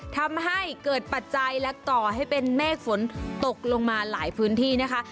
ทำให้เกิดปัจจัยและก่อให้เป็นเมฆฝนตกลงมาหลายพื้นที่นะคะ